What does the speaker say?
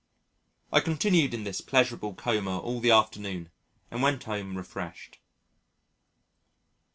I continued in this pleasurable coma all the afternoon and went home refreshed.